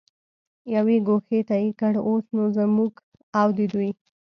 یوې ګوښې ته یې کړ، اوس نو زموږ او د دوی.